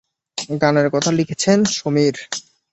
গানের কথা লিখেছেন সমীর।